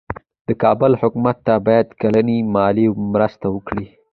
د کابل حکومت ته باید کلنۍ مالي مرسته ورکړي.